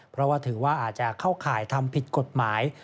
เพราะว่าถือว่าอาจจะเข้าข่ายทำผิดกฎหมาย